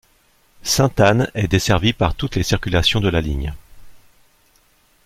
Sainte-Anne est desservie par toutes les circulations de la ligne.